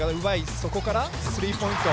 そこからスリーポイント。